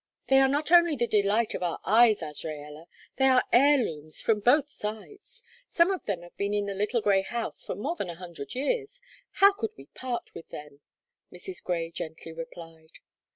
"They are not only the delight of our eyes, Azraella; they are heirlooms from both sides. Some of them have been in the little grey house for more than a hundred years. How could we part with them?" Mrs. Grey gently replied.